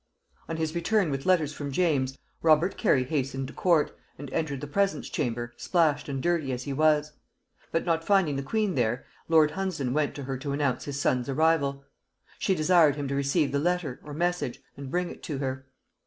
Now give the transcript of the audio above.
On his return with letters from James, Robert Cary hastened to court, and entered the presence chamber splashed and dirty as he was; but not finding the queen there, lord Hunsdon went to her to announce his son's arrival. She desired him to receive the letter, or message, and bring it to her.